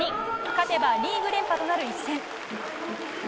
勝てばリーグ連覇となる一戦。